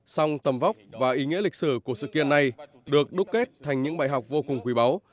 song tầm vóc và ý nghĩa lịch sử của sự kiện này được đúc kết thành những bài học vô cùng quý báu